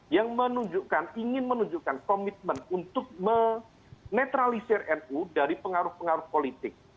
yang menunjukkan ingin menunjukkan komitmen untuk menetralisir nu dari pengaruh pengaruh politik